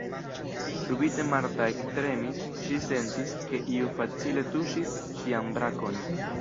Subite Marta ektremis, ŝi sentis, ke iu facile tuŝis ŝian brakon.